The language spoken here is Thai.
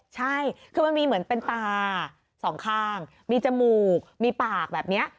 ใช่คือมันมีเหมือนเป็นตาสองข้างมีจมูกมีปากแบบนี้